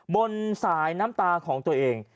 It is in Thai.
บนสายน้ำตาของตัวเอง